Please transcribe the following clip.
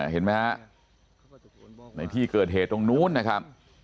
เห็นไหมฮะในที่เกิดเหตุตรงนู้นนะครับ